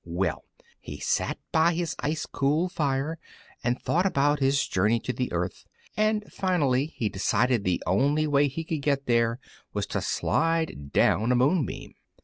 Well, he sat by his ice cool fire and thought about his journey to the earth, and finally he decided the only way he could get there was to slide down a moonbeam.